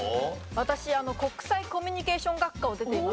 私国際コミュニケーション学科を出ています。